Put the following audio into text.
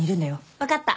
分かった。